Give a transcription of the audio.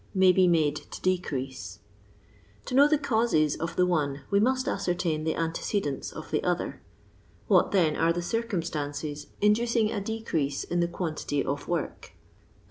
iv be made to decre; ise. To know the causes of the one we must ascertain the antecedent< of the other. What, then, are the circumst; tnces in ducing a decrease in the quantity of work t and, LONDON LABOUR AND TEE LONDON POOR.